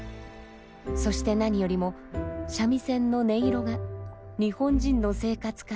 そして何よりも三味線の音色が日本人の生活から消えつつあること。